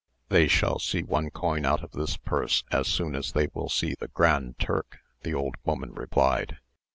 "They shall see one coin out of this purse as soon as they will see the Grand Turk," the old woman replied.